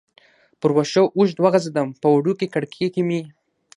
پر وښو اوږد وغځېدم، په وړوکې کړکۍ کې مې.